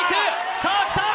さあ、きた！